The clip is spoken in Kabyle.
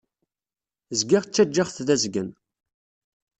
Zgiɣ ttaǧǧaɣ-t d azgen.